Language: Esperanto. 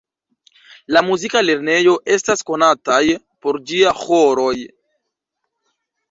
La muzika lernejo estas konatan por ĝia ĥoroj.